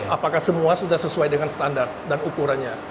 apakah semua sudah sesuai dengan standar dan ukurannya